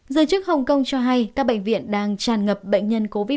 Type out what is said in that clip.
giới chức hồng kông cho hay các bệnh viện đang tràn ngập bệnh nhân covid một mươi chín